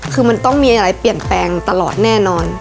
คือมันต้องมีอะไรเปลี่ยนแปลงตลอดแน่นอน